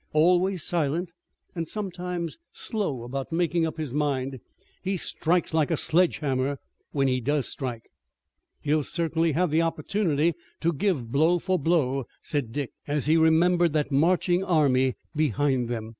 Always silent, and sometimes slow about making up his mind he strikes like a sledge hammer when he does strike." "He'll certainly have the opportunity to give blow for blow," said Dick, as he remembered that marching army behind them.